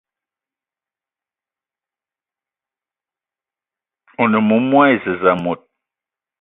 One moumoua e zez mot